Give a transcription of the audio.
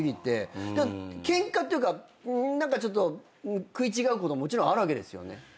ケンカっていうか何かちょっと食い違うことはもちろんあるわけですよね？